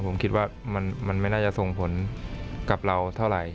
ผมคิดว่ามันไม่น่าจะส่งผลกับเราเท่าไหร่